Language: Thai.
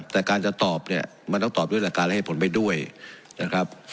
แต่การจะตอบเนี่ยมันต้องตอบด้วยหลักการและให้ผลไปด้วยนะครับ